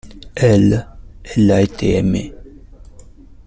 Elle, elle a été aimée.